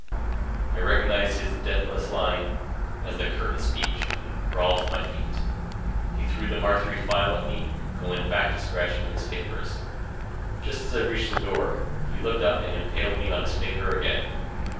I recognized this deathless line as the curtain speech and crawled to my feet. He threw the Mark III file at me and went back to scratching in his papers. Just as I reached the door, he looked up and impaled me on his finger again.